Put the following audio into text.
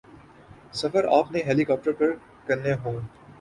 سفر آپ نے ہیلی کاپٹر پہ کرنے ہوں۔